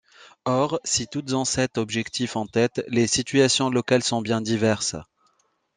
Or, si toutes ont cet objectif en tête, les situations locales sont bien diverses.